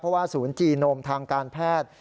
เพราะว่าศูนย์จีโนมทางการแพทย์